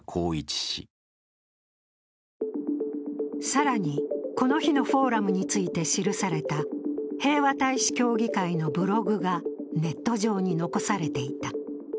更に、この日のフォーラムについて記された平和大使協議会のブログがネット上に残されていた。